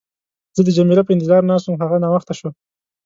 زه د جميله په انتظار ناست وم، خو هغه ناوخته شوه.